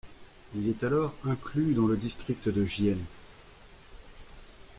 Il est alors inclus dans le district de Gien.